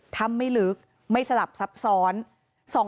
ถ้ำไม่ลึกไม่สลับซับซ้อน